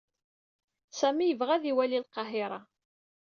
Sami yebɣa ad iwali Lqahiṛa.